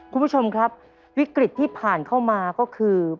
คุณผู้ชมครับวิกฤตที่ผ่านเข้ามาก็คือ